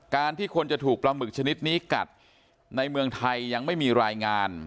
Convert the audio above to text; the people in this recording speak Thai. ที่คนจะถูกปลาหมึกชนิดนี้กัดในเมืองไทยยังไม่มีรายงาน